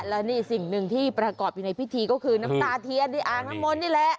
แล้วสิ่งนึงที่ประกอบอยู่ในพิธีก็คือนำตาเทียนอากระมนต์นี่แหละ